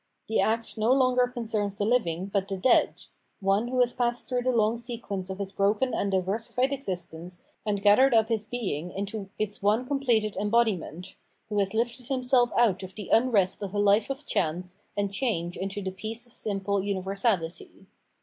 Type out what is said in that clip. Tbe act no longer concerns the living but the dead, one who has passed through the long sequence of his broken and diversified existence and gathered up his being into its one completed embodiment, who has hfted himself out of the unrest of a fife of chance and change into the peace of simple universahty.